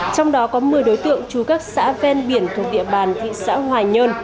trong đó có một mươi đối tượng trú các xã ven biển thuộc địa bàn thị xã hoài nhơn